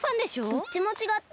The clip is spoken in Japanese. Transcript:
どっちもちがった。